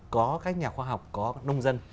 có các nhà khoa học có nông dân